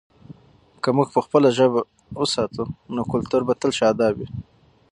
که موږ خپله ژبه وساتو، نو کلتور به تل شاداب وي.